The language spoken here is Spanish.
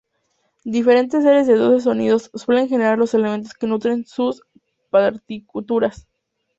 Diferentes series de doce sonidos suelen generar los elementos que nutren sus partituras.